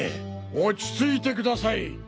落ち着いてください！